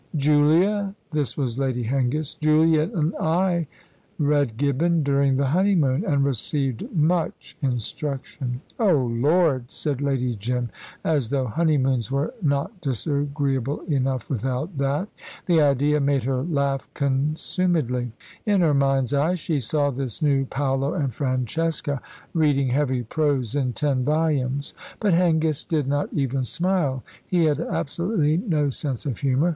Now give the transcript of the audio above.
"Julia" this was Lady Hengist "Julia and I read Gibbon during the honeymoon, and received much instruction." "Oh, Lord!" said Lady Jim; "as though honeymoons were not disagreeable enough without that!" The idea made her laugh consumedly. In her mind's eye she saw this new Paolo and Francesca reading heavy prose in ten volumes. But Hengist did not even smile he had absolutely no sense of humour.